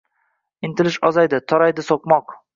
Intilish ozaydi — toraydi so‘qmoq.